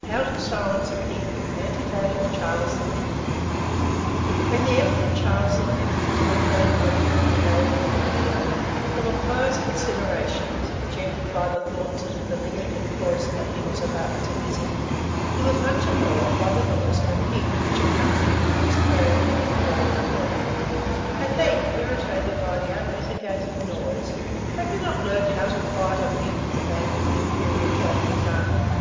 HOW TO SILENCE A PIG. ANECDOTE OF CHARLES V. When the emperor Charles V. was one day walking in the neighbourhood of Vienna, full of pious considerations, engendered by the thoughts of the Dominican cloister he was about to visit, he was much annoyed by the noise of a pig, which a country youth was carrying a little way before him. At length, irritated by the unmitigated noise, "Have you not learned how to quiet a pig" demanded the imperial traveller, tartly.